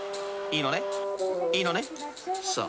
いいのね？］